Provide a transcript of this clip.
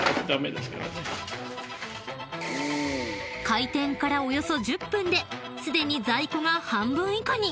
［開店からおよそ１０分ですでに在庫が半分以下に］